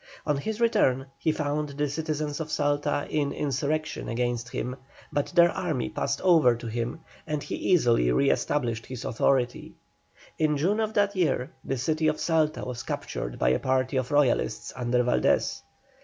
On his return he found the citizens of Salta in insurrection against him, but their army passed over to him, and he easily re established his authority. In June of that year the city of Salta was captured by a party of Royalists under Valdés.